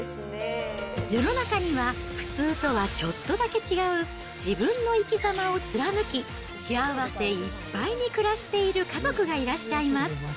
世の中には普通とはちょっとだけ違う自分の生きざまを貫き、幸せいっぱいに暮らしている家族がいらっしゃいます。